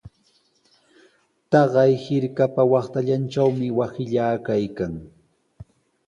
Taqay hirkapa waqtallantrawmi wasillaa kaykan.